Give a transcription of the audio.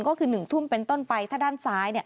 ก็คือ๑ทุ่มเป็นต้นไปถ้าด้านซ้าย